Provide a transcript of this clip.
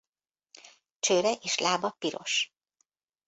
Csőre és lába piros.